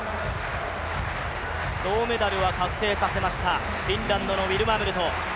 銅メダルは確定させました、フィンランドのウィルマ・ムルト。